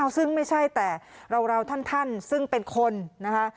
ซึ่งไม่ใช่แต่เราท่านซึ่งเป็นคนนะคะ